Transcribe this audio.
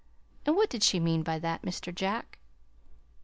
And what did she mean by that, Mr. Jack?"